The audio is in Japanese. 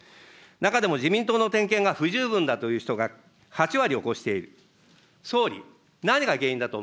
中でも自民党の点検が不十分だという人が８割を超していると。